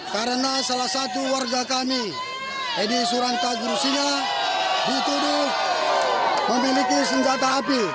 karena salah satu warga kami edi suranta guru singapura dituduh memiliki senjata api